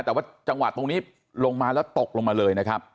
แต่ว่าจังหวะตรงนี้ลงมาแล้วตกลงมาเลยนะครับ